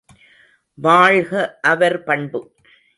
வாழ்க அவர் பண்பு!